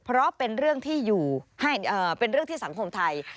เพราะเป็นเรื่องที่สังคมไทย